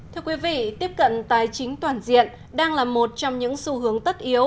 thưa quý vị tiếp cận tài chính toàn diện đang là một trong những xu hướng tất yếu